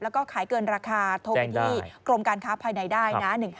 แล้วก็ขายเกินราคาโทรไปที่กรมการค้าภายในได้นะ